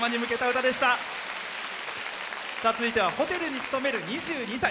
続いてはホテルに勤める２２歳。